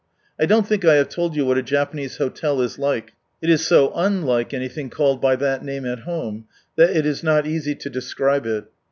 I don't think I have told you what a Japanese hotel is like, it is so wnlike anything called by that name at home, that it is not easy to describe it.